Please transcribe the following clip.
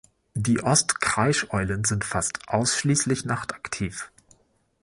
Die Ost-Kreischeulen sind fast ausschließlich nachtaktiv.